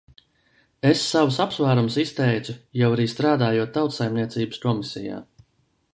Es savus apsvērumus izteicu, jau arī strādājot Tautsaimniecības komisijā.